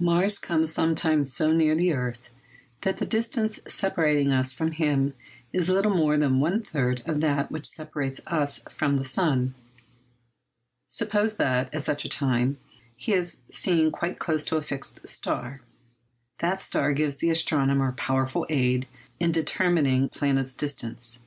Mars comes sometimes so near the earth that the distance separating us from him is little more than one third of that which separates us from the sun. Suppose that, at such a time, he is seen quite close to a fixed star. That star gives the astronomer powerful aid in determining the planet's distance.